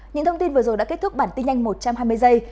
những thông tin vừa rồi đã kết thúc bản tin nhanh một trăm hai mươi giây